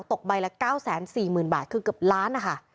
ตกใบละ๙๔๐๐๐บาทคือเกือบล้านนะคะ